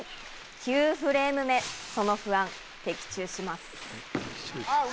９フレーム目、その不安、的中します。